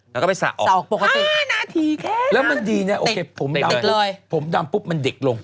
และก็ไปสะออก๕นาทีแค่นั้นติดเลยแล้วมันดีนะโอเคผมดำปุ๊บมันดิกลง